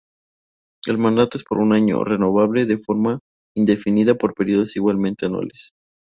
El mandato es por un año, renovable de forma indefinida por periodos igualmente anuales.